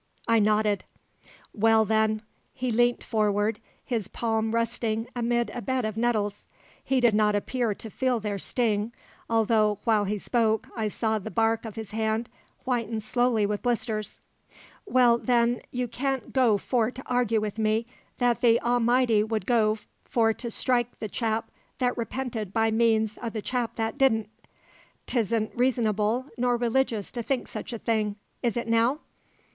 I nodded. "Well, then" he leant forward, his palm resting amid a bed of nettles. He did not appear to feel their sting, although, while he spoke, I saw the bark of his hand whiten slowly with blisters "well, then, you can't go for to argue with me that the A'mighty would go for to strike the chap that repented by means o' the chap that didn'. Tisn' reasonable nor religious to think such a thing is it now?"